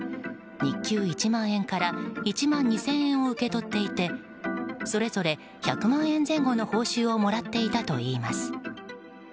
日給１万円から１万２０００円を受け取っていてそれぞれ１００万円前後の報酬をもらっていたといいます。